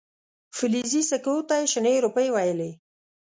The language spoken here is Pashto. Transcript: فلزي سکو ته یې شنې روپۍ ویلې.